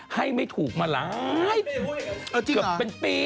ให้ไม่ถูกมาหลายปีเกือบเป็นปี